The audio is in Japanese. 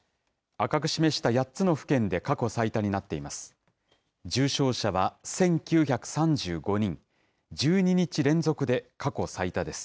赤く示した８つの府県で過去最多になっています。